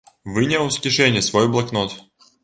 Выняў з кішэні свой блакнот.